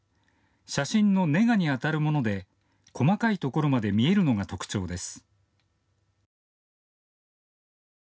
写真のネガにあたるもので細かいところまで見えるのが特徴です。